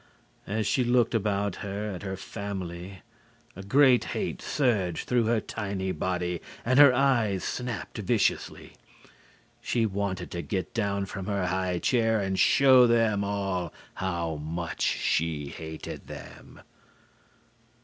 As she looked about her at her family, a great hate surged through her tiny body and her eyes snapped viciously. She wanted to get down from her high chair and show them all how much she hated them.